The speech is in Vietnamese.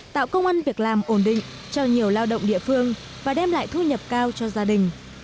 tạo công an việc làm ổn định cho nhiều lao động địa phương và đem lại thu nhập cao cho gia đình